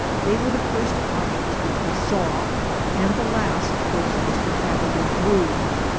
They were the first objects which we saw, and the last which Mr. Catherwood drew.